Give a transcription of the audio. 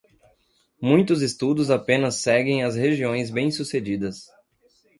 Muitos estudos apenas seguem as regiões bem sucedidas.